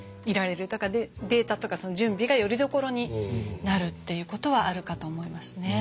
だからデータとかその準備がよりどころになるっていうことはあるかと思いますね。